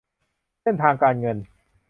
เส้นทางการเงิน